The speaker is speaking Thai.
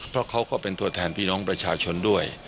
เพราะเขาก็เป็นตัวแทนพี่น้องประชาชนด้วย